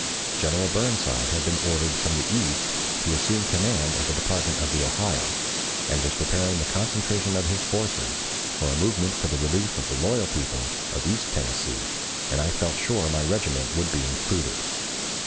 General Burnside had been ordered from the East to assume command of the Department of the Ohio, and was preparing the concentration of his forces for a movement for the relief of the loyal people of East Tennessee, and I felt sure my regiment would be included.